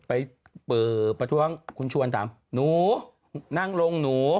ไปประท้วงคุณชวนถามหนูนั่งลงหนู